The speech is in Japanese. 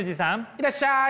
いらっしゃい！